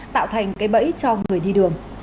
tạo thành cái bẫy cho người đi đường